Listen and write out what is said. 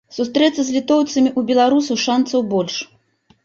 Сустрэцца з літоўцамі ў беларусаў шанцаў больш.